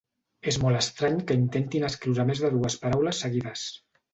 És molt estrany que intentin escriure més de dues paraules seguides.